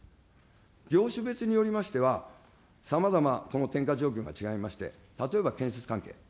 業種別によりましては、さまざま、この転嫁状況が違いまして、例えば建設関係。